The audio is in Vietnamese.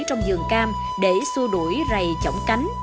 trong vườn cam để xua đuổi rầy chổng cánh